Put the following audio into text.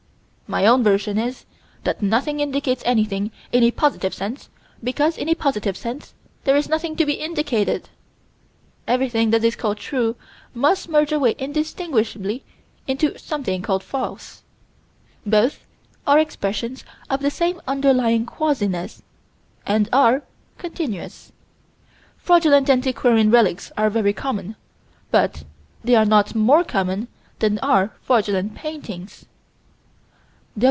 My own version is: that nothing indicates anything, in a positive sense, because, in a positive sense, there is nothing to be indicated. Everything that is called true must merge away indistinguishably into something called false. Both are expressions of the same underlying quasiness, and are continuous. Fraudulent antiquarian relics are very common, but they are not more common than are fraudulent paintings.